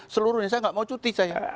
seluruhnya saya nggak mau cuti saya